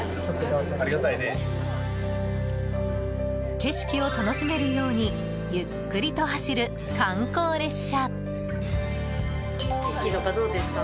景色を楽しめるようにゆっくりと走る観光列車。